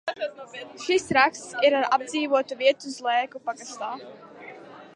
Šis raksts ir par apdzīvotu vietu Zlēku pagastā.